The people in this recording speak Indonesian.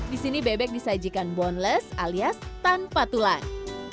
di sini bebek disajikan bondless alias tanpa tulang